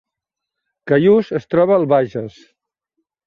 Callús es troba al Bages